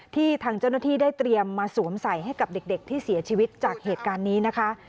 ทางเจ้าหน้าที่ได้เตรียมมาสวมใส่ให้กับเด็กที่เสียชีวิตจากเหตุการณ์นี้นะคะ